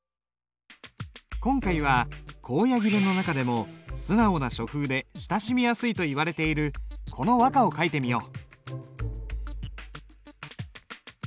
今回は「高野切」の中でも素直な書風で親しみやすいといわれているこの和歌を書いてみよう。